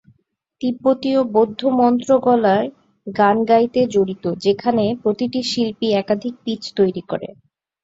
তিব্বতীয় বৌদ্ধ মন্ত্র গলায় গান গাইতে জড়িত, যেখানে প্রতিটি শিল্পী একাধিক পিচ তৈরি করে।